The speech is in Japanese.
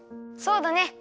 そうだね。